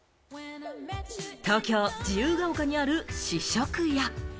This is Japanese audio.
東京・自由が丘にある試食屋。